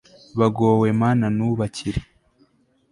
bagowe mana nubakire